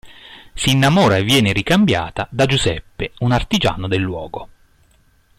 Si innamora e viene ricambiata da Giuseppe un artigiano del luogo.